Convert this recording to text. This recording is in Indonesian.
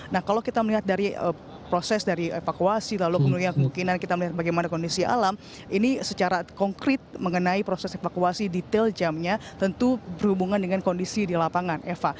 nah kalau kita melihat dari proses dari evakuasi lalu kemudian kemungkinan kita melihat bagaimana kondisi alam ini secara konkret mengenai proses evakuasi detail jamnya tentu berhubungan dengan kondisi di lapangan eva